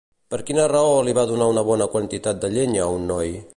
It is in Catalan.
Per quina raó li va donar una bona quantitat de llenya a un noi?